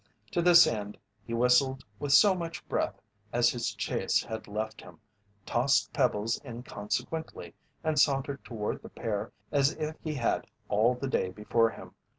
To this end, he whistled with so much breath as his chase had left him, tossed pebbles inconsequently, and sauntered toward the pair as if he had all the day before him.